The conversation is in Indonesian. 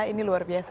ini luar biasa